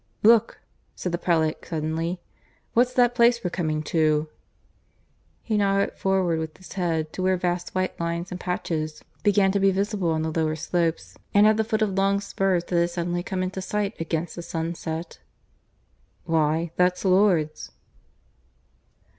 "Look," said the prelate suddenly; "what's that place we're coming to?" He nodded forward with his head to where vast white lines and patches began to be visible on the lower slopes and at the foot of long spurs that had suddenly come into sight against the sunset. "Why, that's Lourdes."